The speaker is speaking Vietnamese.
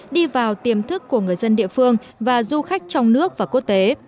đi vào tiềm thức của người dân địa phương và du khách trong nước và quốc tế